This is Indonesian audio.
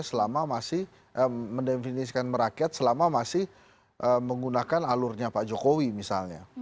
selama masih mendefinisikan merakyat selama masih menggunakan alurnya pak jokowi misalnya